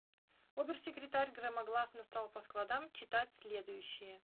Обер-секретарь громогласно стал по складам читать следующее: